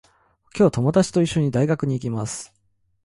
今日、ともだちといっしょに、大学に行きます。